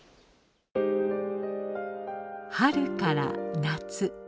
春から夏。